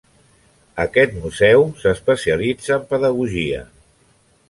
Aquest museu s'especialitza en pedagogia.